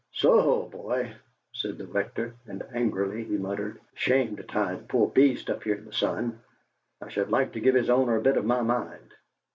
"So ho, boy!" said the Rector, and angrily he muttered: "A shame to tie the poor beast up here in the sun. I should like to give his owner a bit of my mind!"